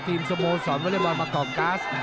ทีมสโมสรวอเลเบิร์นมะกอบก๊าซ